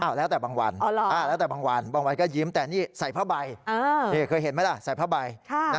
แล้วแต่บางวันแล้วแต่บางวันบางวันก็ยิ้มแต่นี่ใส่ผ้าใบเคยเห็นไหมล่ะใส่ผ้าใบ